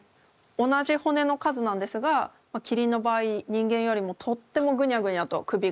同じ骨の数なんですがキリンの場合人間よりもとってもグニャグニャと首が動きます。